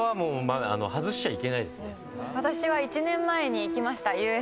私は１年前に行きましたＵＳＪに。